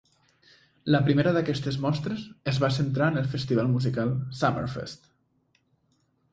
La primera d'aquestes mostres es va centrar en el festival musical Summerfest.